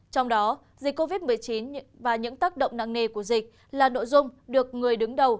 trong đó dịch covid một mươi chín và những tác động nặng nề của dịch là nội dung được người đứng đầu